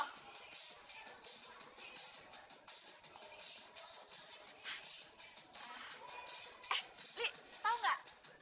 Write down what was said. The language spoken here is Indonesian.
eh li tau gak